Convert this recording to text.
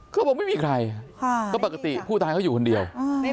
บอกไม่มีใครค่ะก็ปกติผู้ตายเขาอยู่คนเดียว